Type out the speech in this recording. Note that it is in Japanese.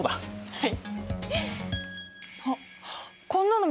はい。